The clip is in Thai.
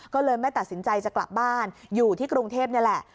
ก็เลยไม่ตัดสินใจจะกลับบ้านอยู่ที่กรุงเทพนี่แหละ